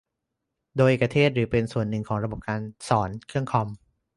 โดยเอกเทศ หรือเป็นส่วนหนึ่งของระบบการสอนเครื่องคอม